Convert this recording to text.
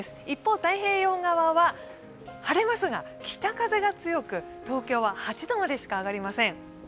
一方、太平洋側は晴れますが北風が強く、東京は８度までしか上がりません。